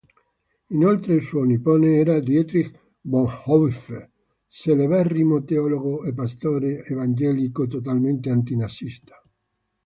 Inoltre suo nipote era Dietrich Bonhoeffer, celeberrimo teologo e pastore evangelico totalmente anti-nazista.